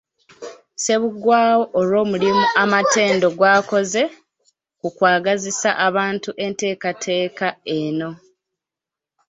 Ssebuggwaawo olw'omulimu amatendo gw'akoze mu kwagazisa abantu enteekateeka eno.